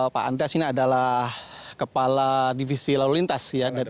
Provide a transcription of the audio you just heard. pak andrea sini adalah kepala divisi lalu lintas